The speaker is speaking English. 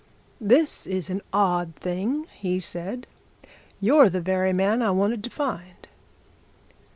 'This is an odd thing!' he said. 'You're the very man I wanted to find!